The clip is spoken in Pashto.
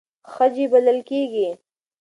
خج یې بلل کېږي.